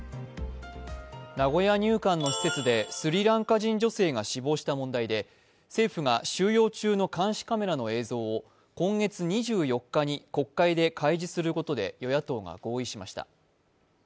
名古屋入管の施設でスリランカ人女性が死亡した問題で政府が、収容中の監視カメラの映像を今月２４日に国会で開示することで与野党が合意しました。